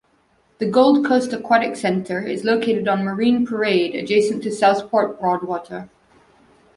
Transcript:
The "Gold Coast Aquatic Centre" is located on Marine Parade adjacent to Southport Broadwater.